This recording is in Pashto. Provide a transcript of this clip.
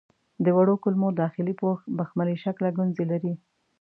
د وړو کولمو داخلي پوښ بخملي شکله ګونځې لري.